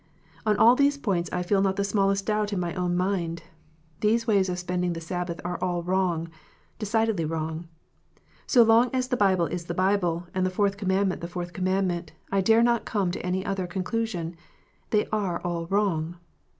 On all these points I feel not the smallest doubt in my own mind. These ways of spending the Sabbath are all wrong, decidedly wrong. So long as the Bible is the Bible, and the Fourth Commandment the Fourth Commandment, I dare not come to any other conclusion. They are all wrong.